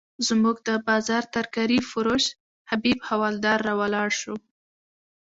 زموږ د بازار ترکاري فروش حبیب حوالدار راولاړ شو.